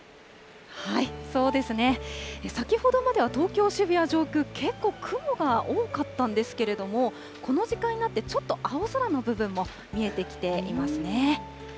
そうですね、先ほどまでは東京・渋谷上空、結構雲が多かったんですけれども、この時間になって、ちょっと青空の部分も見えてきていますね。